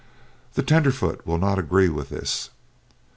The tenderfoot will not agree with this.